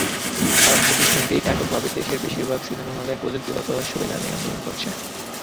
কারণ প্রতিষ্ঠানটি এককভাবে দেশের বেশির ভাগ সিনেমা হলের প্রযুক্তিগত সুবিধা নিয়ন্ত্রণ করছে।